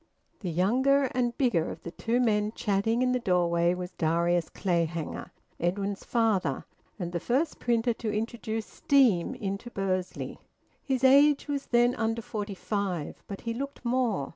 The younger and bigger of the two men chatting in the doorway was Darius Clayhanger, Edwin's father, and the first printer to introduce steam into Bursley. His age was then under forty five, but he looked more.